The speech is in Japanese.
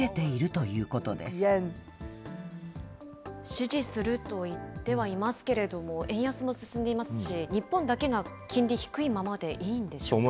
支持すると言ってはいますけれども、円安も進んでいますし、日本だけが金利低いままでいいんでしょうか。